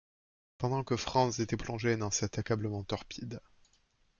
pendant que Franz était plongé dans cet accablement torpide?